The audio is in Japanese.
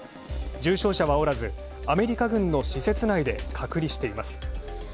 重症者はおらず、アメリカ軍の施設内で隔離しています。